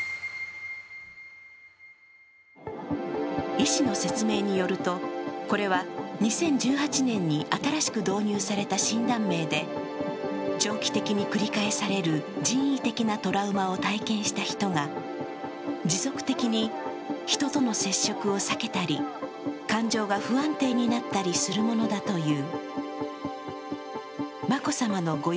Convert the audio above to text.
医師の説明によると、これは２０１８年に新しく導入された診断名で長期的に繰り返される人為的なトラウマを体験した人が持続的に人との接触を避けたり感情が不安定になったりするものだという。